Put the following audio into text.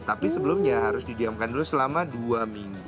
tapi sebelumnya harus didiamkan dulu selama dua minggu